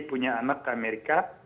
punya anak ke amerika